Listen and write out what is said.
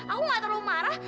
aku gak terlalu marah